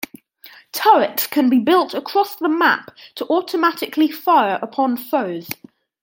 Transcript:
Turrets can be built across the map to automatically fire upon foes.